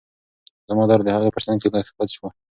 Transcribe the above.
زما درد د هغې په شتون کې لږ پڅ شو.